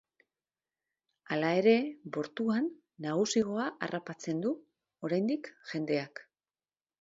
Hala ere, bortuan nagusigoa harrapatzen du, oraindik, jendeak.